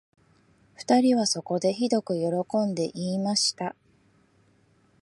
二人はそこで、ひどくよろこんで言いました